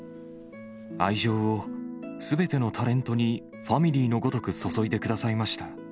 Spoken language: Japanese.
愛情を、すべてのタレントにファミリーのごとく注いでくださいました。